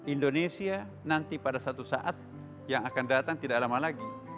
indonesia nanti pada satu saat yang akan datang tidak lama lagi